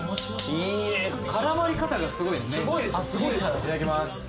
これいただきます